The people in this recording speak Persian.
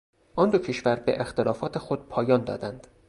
آن دو کشور به اختلافات خود پایان دادند.